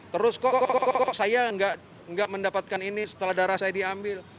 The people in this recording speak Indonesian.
terus kok saya nggak mendapatkan ini setelah darah saya diambil